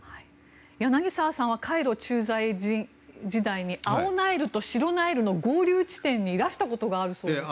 柳澤さんはカイロ駐在時代に青ナイルと白ナイルの合流地点にいらしたことがあるそうですね。